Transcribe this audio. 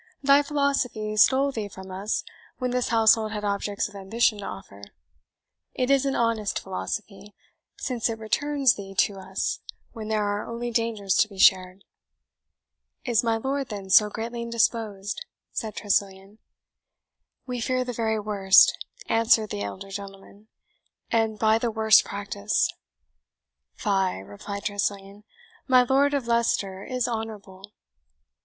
"Thy philosophy stole thee from us when this household had objects of ambition to offer; it is an honest philosophy, since it returns thee to us when there are only dangers to be shared." "Is my lord, then, so greatly indisposed?" said Tressilian. "We fear the very worst," answered the elder gentleman, "and by the worst practice." "Fie," replied Tressilian, "my Lord of Leicester is honourable."